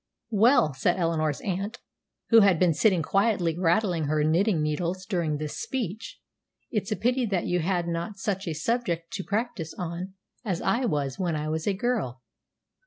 "Well," said Eleanor's aunt, who had been sitting quietly rattling her knitting needles during this speech, "it's a pity that you had not such a subject to practise on as I was when I was a girl.